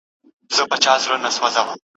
!کابل مه ورانوئ